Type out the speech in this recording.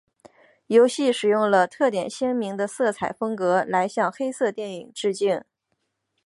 游戏使用了特点鲜明的色彩风格来向黑色电影致敬。